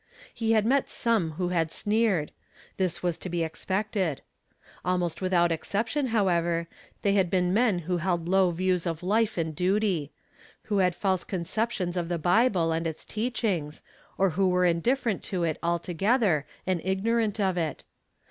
lie had met some who had sneered ; this was to be ex pected. Almost without exception, however, they had been men who held low views of life and duty; who had false conceptions of the liible and its teachings, or who were indifferent to it alto gether, and ignorant of it.